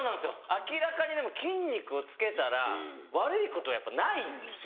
明らかにでも筋肉をつけたら悪いことはやっぱないんですよ。